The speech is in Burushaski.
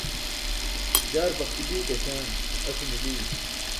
jaar baxti biik aśaan ase mili!